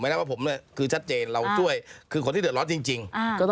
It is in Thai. ไม่ได้ว่าผมเนี้ยคือชัดเจนเราจ้วยคือคนที่เหลือร้อนจริงจริงอ่า